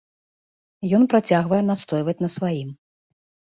Ён працягвае настойваць на сваім.